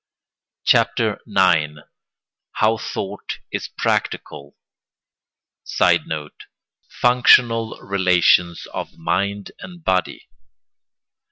CHAPTER IX—HOW THOUGHT IS PRACTICAL [Sidenote: Functional relations of mind and body.